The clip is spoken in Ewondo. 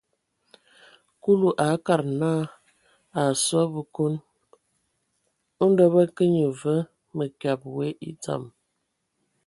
Kulu a akad naa, a asɔ a Bǝkon, ndɔ bə kə nye və mǝkyǝbe we e dzam.